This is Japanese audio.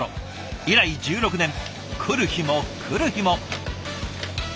以来１６年来る日も来る日も。